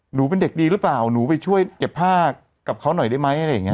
หนูเป็นเด็กดีหรือเปล่าหนูไปช่วยเก็บผ้ากับเขาหน่อยได้ไหมอะไรอย่างนี้